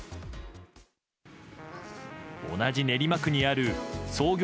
同じ練馬区にある創業